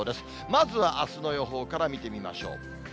まずはあすの予報から見てみましょう。